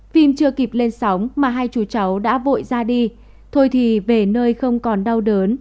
phim chưa kịp lên sóng mà hai chú cháu đã vội ra đi thôi thì về nơi không còn đau đớn